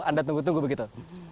anda tunggu tunggu begitu